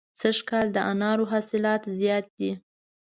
سږ کال د انارو حاصلات زیات دي.